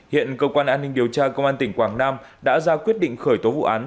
hiện cơ quan an ninh điều tra công an tỉnh quảng nam đã ra quyết định khởi tố vụ án